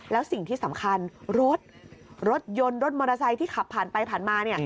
แล้วสิ่งที่สำคัญรถรถยนต์รถมอเตอร์ไซค์ที่ขับผ่านไปผ่านมา